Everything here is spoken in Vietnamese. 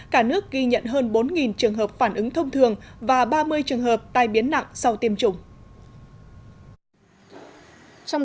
cả nước ghi nhận hơn bốn trường hợp phản ứng thông thường và ba mươi trường hợp tai biến nặng sau tiêm chủng